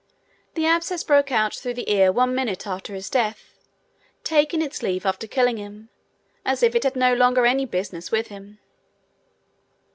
The abscess broke out through the ear one minute after his death, taking its leave after killing him, as if it had no longer any business with him.